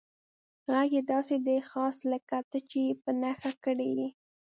غږ یې داسې دی، خاص لکه ته چې یې په نښه کړی یې.